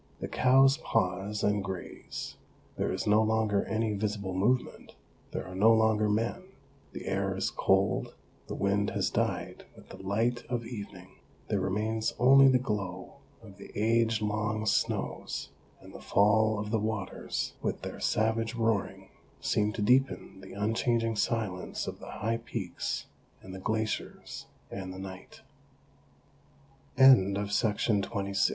The cows pause and graze; there is no longer any visible movement, there are no longer men. The air is cold, the wind has died with the light of even ing, there remains only the glow of the age long snows and the fall of the waters which, with their savage roaring, seem to deepen the unchanging silence of the high peaks and the glaciers a